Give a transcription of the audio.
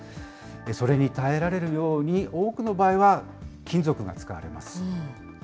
それに耐えられるように多くの場合は、金属が使われます。